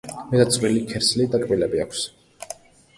მეტად წვრილი ქერცლი და კბილები აქვს.